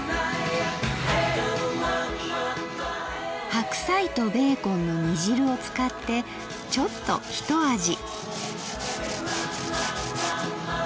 白菜とベーコンの煮汁を使ってちょっとひと味。